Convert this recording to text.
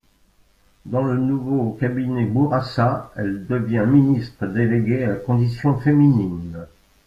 Dans le nouveau cabinet Bourassa elle devient ministre déléguée à la Condition féminine.